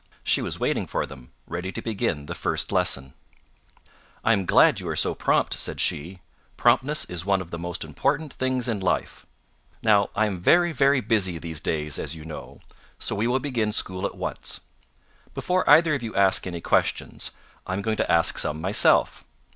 She was waiting for them, ready to begin the first lesson. "I am glad you are so prompt," said she. "Promptness is one of the most important things in life. Now I am very, very busy these days, as you know, so we will begin school at once. Before either of you ask any questions, I am going to ask some myself.